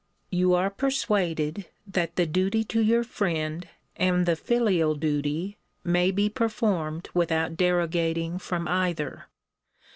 You are persuaded, that the duty to your friend, and the filial duty, may be performed without derogating from either.